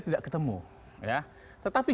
tidak ketemu tetapi